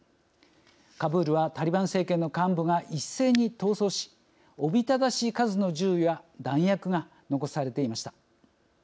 カブールはタリバン政権の幹部が一斉に逃走しおびただしい数の銃や弾薬が残されていました。